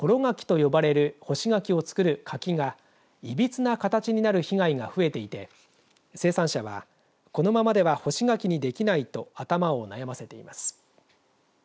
柿と呼ばれる干し柿を作る柿がいびつな形になる被害が増えていて生産者は、このままでは干し柿にできないと頭を悩ませています。